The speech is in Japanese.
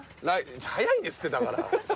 早いですってだから。